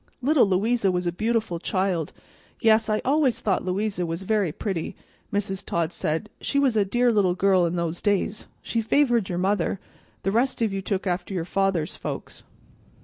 "Little Louisa was a beautiful child; yes, I always thought Louisa was very pretty," Mrs. Todd said. "She was a dear little girl in those days. She favored your mother; the rest of you took after your father's folks."